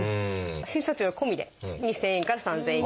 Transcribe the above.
診察料込みで２，０００円から３，０００円。